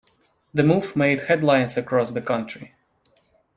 The move made headlines across the country.